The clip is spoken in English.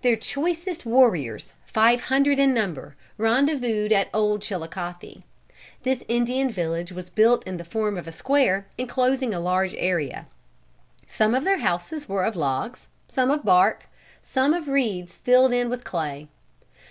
Their choicest warriors, five hundred in number, rendezvoused at Old Chilicothe. This Indian village was built in the form of a square enclosing a large area. Some of their houses were of logs, some of bark, some of reeds filled in with clay.